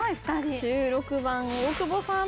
１６番大久保さん。